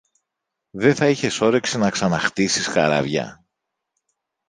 Δε θα είχες όρεξη να ξαναχτίσεις καράβια;